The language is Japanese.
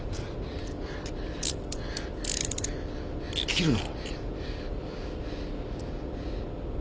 切るの？